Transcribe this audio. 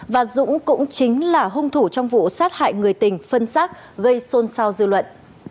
và dũng cũng chính là hung thủ trong vụ sát hại người tình phân xác gây xôn xao dư luận